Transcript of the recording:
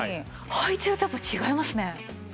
はいてるとやっぱり違いますね。